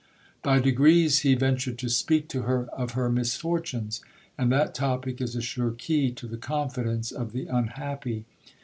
'By degrees he ventured to speak to her of her misfortunes,—and that topic is a sure key to the confidence of the unhappy.